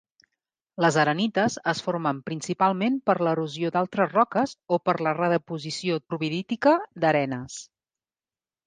Les arenites es formen principalment per l'erosió d'altres roques o per la redeposició turbidítica d'arenes.